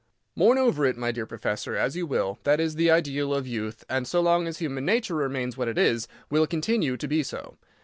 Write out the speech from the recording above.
Mourn over it, my dear professor, as you will—that is the ideal of youth; and, so long as human nature remains what it is, will continue to be so.